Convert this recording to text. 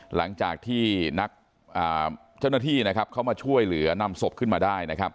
หลังจากที่เจ้าหน้าที่เข้ามาช่วยเหลือนำศพขึ้นมาได้